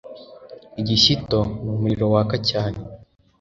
igishyito ni umuriro waka cyane